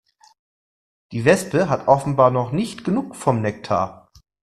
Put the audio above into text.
Die Wespe hat offenbar noch nicht genug vom Nektar.